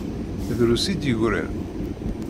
Drus i d-yeggran.